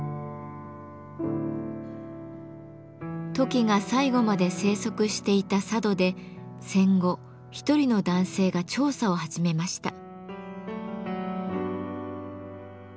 トキが最後まで生息していた佐渡で戦後１人の男性が調査を始めました。